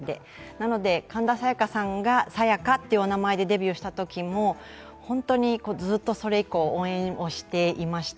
なので神田沙也加さんがＳＡＹＡＫＡという名前でデビューしたとのもずっとそれ以降、応援をしていました。